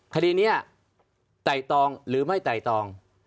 คดีนี้ไต่ตองหรือไม่ไต่ตอง